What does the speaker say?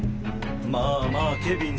まぁまぁケビン